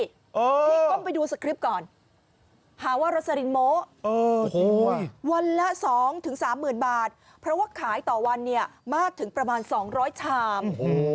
ก้มไปดูสคริปต์ก่อนหาว่ารสลินโมวันละ๒๓๐๐๐บาทเพราะว่าขายต่อวันเนี่ยมากถึงประมาณ๒๐๐ชาม